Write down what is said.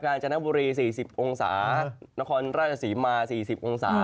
การจนบุรี๔๐องศานครราชศรีมา๔๐องศา